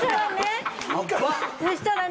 そしたらね。